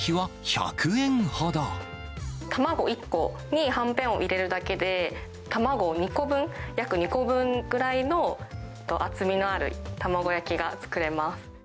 卵１個にはんぺんを入れるだけで、卵２個分、約２個分ぐらいの厚みのある卵焼きが作れます。